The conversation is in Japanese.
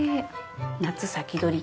夏、先取り。